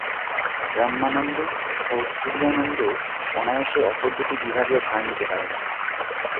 ব্রহ্মানন্দ ও তুরীয়ানন্দ অনায়াসে অপর দুটি বিভাগের ভার নিতে পারেন।